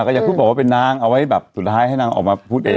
ก็อย่าพูดบอกว่าเป็นนางเอาไว้แบบสุดท้ายให้นางออกมาพูดเอง